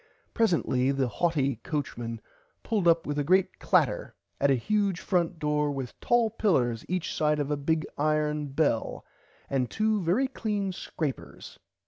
Presently the haughty coachman pulled up with a great clatter at a huge front door with tall pillers each side a big iron bell and two very clean scrapers.